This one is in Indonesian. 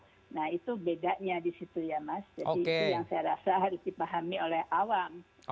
jadi itu yang saya rasa harus dipahami oleh awam